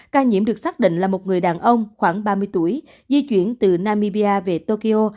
ca nhiễm được xác định là một người đàn ông khoảng ba mươi tuổi di chuyển từ namibia về tokyo